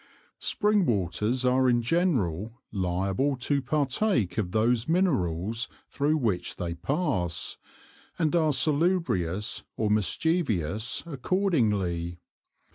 Spring waters are in general liable to partake of those minerals thro' which they pass, and are salubrious or mischievous accordingly.